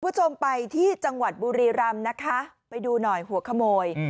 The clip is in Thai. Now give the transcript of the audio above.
คุณผู้ชมไปที่จังหวัดบุรีรำนะคะไปดูหน่อยหัวขโมย